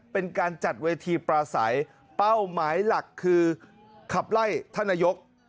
เป็นการจัดเวทีปราศัยเป้าหมายหลักคือขับไล่ท่านนายก